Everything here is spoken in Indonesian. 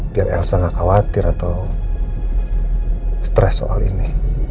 biar elsa gak khawatir atau stres soal ini